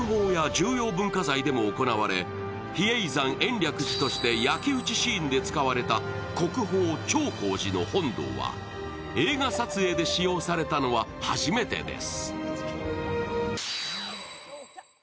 比叡山延暦寺として焼き打ちシーンで使われた国宝・朝光寺の本堂は映画撮影で使用されたのは初めてです。